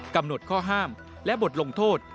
กำหนดข้อห้ามและบทลงโทษ